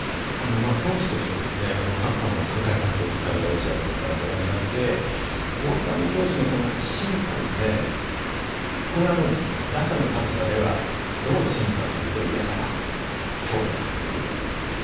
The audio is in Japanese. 投手として三冠王を３回獲得された落合さんからご覧になって大谷投手の進化ですねこれは打者の立場ではどう進化すると嫌だなって脅威だなっていうふうに？